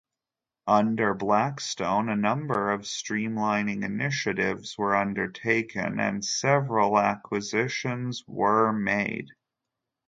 Under Blackstone, a number of streamlining initiatives were undertaken, and several acquisitions were made.